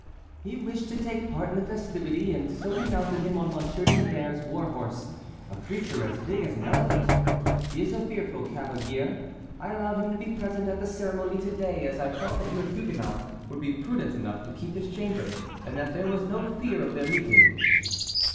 "He wished to take part in the festivity, and so we mounted him on Monsieur de Nevers' war horse, a creature as big as an elephant. He is a fearful cavalier. I allowed him to be present at the ceremony to day, as I felt that your Huguenot would be prudent enough to keep his chamber and that there was no fear of their meeting."